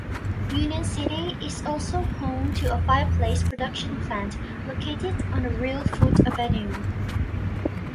Union City is also home to a fireplace production plant located on Reelfoot Avenue.